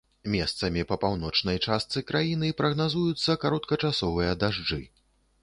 Месцамі па паўночнай частцы краіны прагназуюцца кароткачасовыя дажджы.